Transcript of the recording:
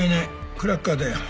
クラッカーだよ。